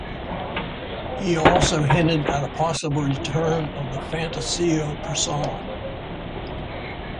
He also hinted at a possible return of the Phantasio persona.